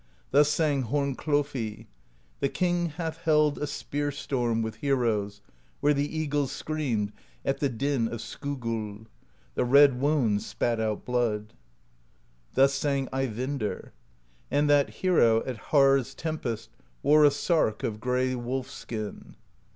Thus sang Hornklofi: The king hath held a Spear Storm With heroes, where the eagles Screamed at the Din of Skogul; The red wounds spat out blood. Thus sang Eyvindr: And that hero At Haar's Tempest Wore a sark Of gray wolf skin.